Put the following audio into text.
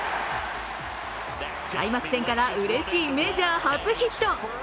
開幕戦からうれしいメジャー初ヒット。